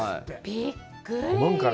びっくり！